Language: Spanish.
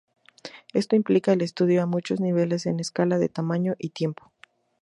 Esto implica el estudio a muchos niveles en escala de tamaño y tiempo.